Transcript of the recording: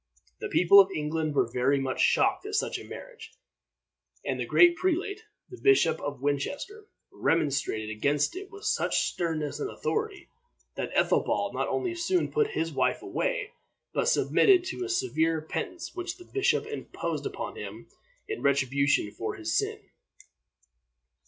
The people of England were very much shocked at such a marriage, and a great prelate, the Bishop of Winchester, remonstrated against it with such sternness and authority, that Ethelbald not only soon put his wife away, but submitted to a severe penance which the bishop imposed upon him in retribution for his sin.